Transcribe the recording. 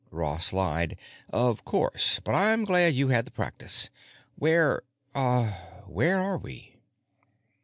Ross lied, "Of course, but I'm glad you had the practice. Where—uh, where are we?"